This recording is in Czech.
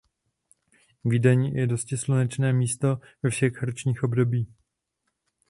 Vídeň je dosti slunečné místo ve všech ročních obdobích.